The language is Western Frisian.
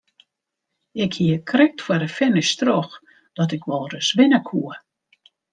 Ik hie krekt foar de finish troch dat ik wol ris winne koe.